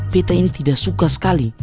pt ini tidak suka sekali